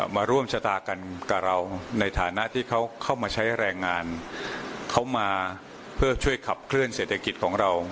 มาร่วมชะตากันกับเราในฐานะที่เขาเข้ามาใช้แรงงานเขามาเพื่อช่วยขับเคลื่อนเศรษฐกิจของเรา